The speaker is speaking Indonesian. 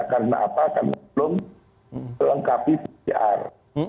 karena apa karena belum lengkapi pcr